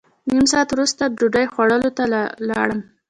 نیم ساعت وروسته ډوډۍ خوړلو ته لاړم.